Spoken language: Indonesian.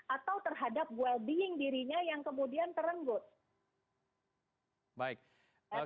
atau terhadap well being dirinya yang kemudian terenggut